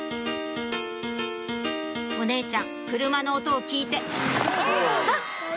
お姉ちゃん車の音を聞いてあっ！